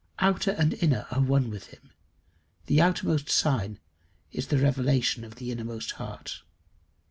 Outer and inner are one with him: the outermost sign is the revelation of the innermost heart.